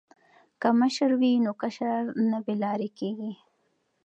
که مشر وي نو کشر نه بې لارې کیږي.